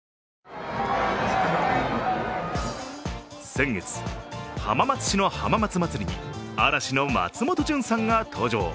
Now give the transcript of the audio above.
先月、浜松市の浜松まつりに嵐の松本潤さんが登場。